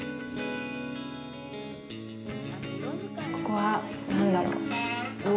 ここは何だろう。